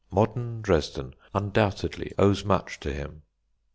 Modern Dresden undoubtedly owes much to him.